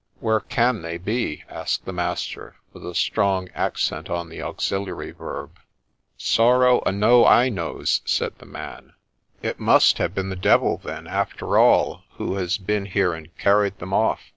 ' Where can they be ?' asked the master, with a strong accent on the auxiliary verb. ' Sorrow a know I knows,' said the man. ' It must have been the devil, then, after all, who has been 2 THE SPECTRE here and carried them off